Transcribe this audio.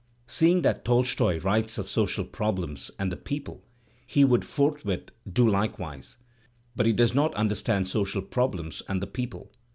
Seeing that Tolstoy writes of social problems and the people, he would forthwith do likewise, but he does not un ^ derstand social problems and the people.